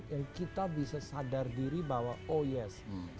yang kita bisa sadar diri bahwa oh yes